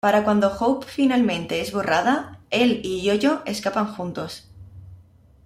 Para cuando Hope finalmente es borrada, el y Yo-Yo escapan juntos.